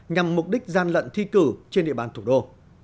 nhằm mục đích gian lận thi cử trên địa bàn thủ đô